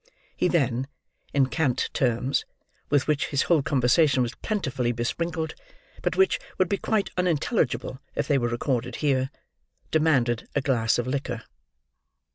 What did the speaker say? He then, in cant terms, with which his whole conversation was plentifully besprinkled, but which would be quite unintelligible if they were recorded here, demanded a glass of liquor.